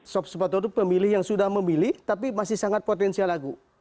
sop sepatu itu pemilih yang sudah memilih tapi masih sangat potensial lagu